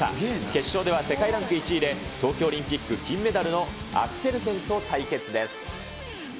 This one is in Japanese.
決勝では世界ランク１位で、東京オリンピック金メダルのアクセルセンと対決です。